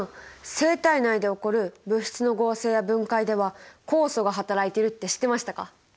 生体内で起こる物質の合成や分解では酵素がはたらいているって知ってましたか？